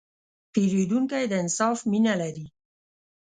پیرودونکی د انصاف مینه لري.